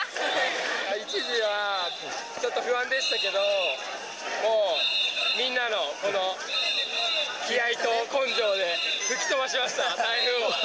一時はちょっと不安でしたけど、もう、みんなのこの気合いと根性で吹き飛ばしました、台風を。